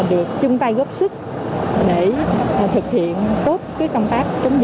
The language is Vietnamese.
được chung tay góp sức để thực hiện tốt công tác chống